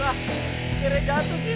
wah kira gatuk ini